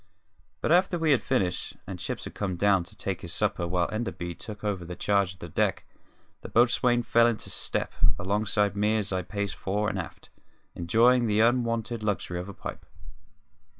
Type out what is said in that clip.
But after we had finished, and Chips had come down to take his supper while Enderby took over the charge of the deck, the boatswain fell into step alongside me as I paced fore and aft, enjoying the unwonted luxury of a pipe.